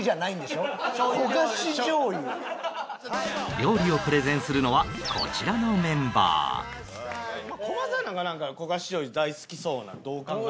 料理をプレゼンするのはこちらのメンバーコバさんなんか焦がし醤油大好きそうなどう考えても。